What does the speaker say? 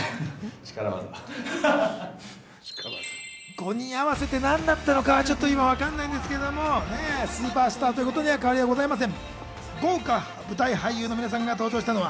５人合わせて何だったのかわかんないんですけれども、スーパースターということには変わりはございません。